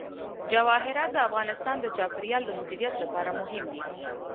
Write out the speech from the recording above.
جواهرات د افغانستان د چاپیریال د مدیریت لپاره مهم دي.